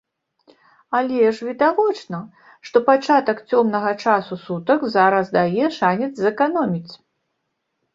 Але ж відавочна, што пачатак цёмнага часу сутак зараз дае шанец зэканоміць.